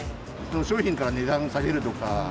商品から値段を下げるとか。